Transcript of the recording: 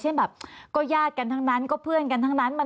เช่นแบบก็ญาติกันทั้งนั้นก็เพื่อนกันทั้งนั้น